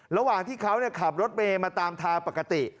ระหว่างที่เขาขับรถเมย์มาตามทางปกติ